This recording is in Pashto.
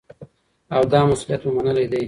او دا مسولیت مو منلی دی.